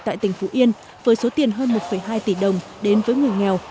tại tỉnh phú yên với số tiền hơn một hai tỷ đồng đến với người nghèo